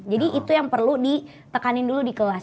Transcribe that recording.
jadi itu yang perlu ditekanin dulu di kelas